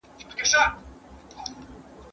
زه په تمه، ته بېغمه.